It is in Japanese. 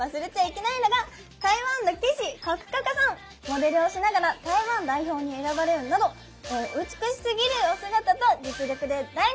モデルをしながら台湾代表に選ばれるなど美しすぎるお姿と実力で大人気！